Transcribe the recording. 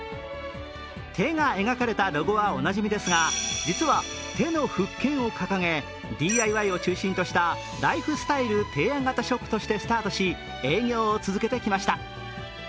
手が描かれたロゴはおなじみですが実は手の復権を掲げ、ＤＩＹを中心としたライフスタイル提案型ショップとしてスタートし営業を続けてきました。